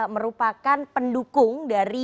merupakan pendukung dari